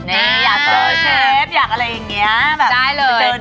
นี่อยากเจอเชฟอยากอะไรอย่างนี้